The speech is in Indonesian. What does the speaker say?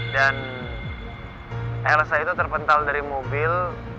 dan elsa itu terpental dari mobil